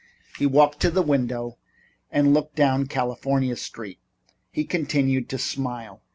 He walked to the window and looked down into California Street. He continued to smile.